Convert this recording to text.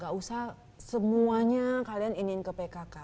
gak usah semuanya kalian ingin ke pkk